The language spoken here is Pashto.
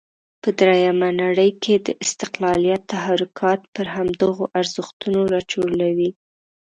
په درېمه نړۍ کې د استقلالیت تحرکات پر همدغو ارزښتونو راچورلوي.